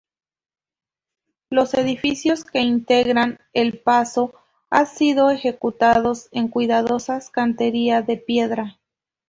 Los edificios que integran el pazo han sido ejecutados en cuidadosa cantería de piedra.